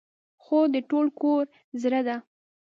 خور د ټول کور زړه ده.